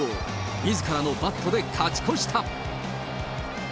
みずからのバットで勝ち越した。